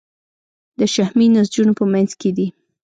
د شحمي نسجونو په منځ کې دي.